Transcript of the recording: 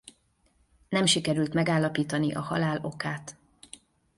Nem sikerült megállapítani a halál okát.